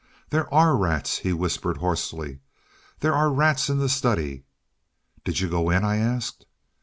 "There are rats," he whispered hoarsely; "there are rats in the study." "Did you go in?" I asked.